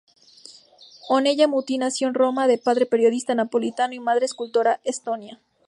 Ornella Muti nació en Roma, de padre periodista napolitano y madre escultora estonia.